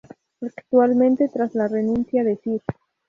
Actualmente tras la renuncia de Sir.